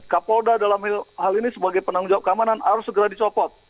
kapolda dalam hal ini sebagai penanggung jawab keamanan harus segera dicopot